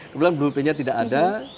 kebetulan bluepenya tidak ada